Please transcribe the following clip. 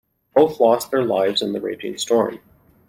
Both lost their lives in the raging storm.